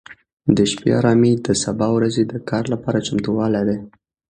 د شپې ارامي د سبا ورځې د کار لپاره چمتووالی دی.